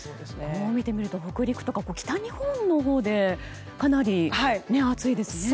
こう見てみると北陸とか北日本のほうでかなり暑いですね。